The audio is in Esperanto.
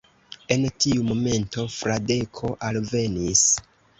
En tiu momento Fradeko alvenis.